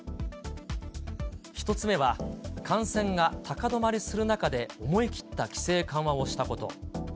１つ目は、感染が高止まりする中で思い切った規制緩和をしたこと。